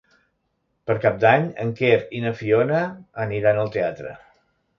Per Cap d'Any en Quer i na Fiona aniran al teatre.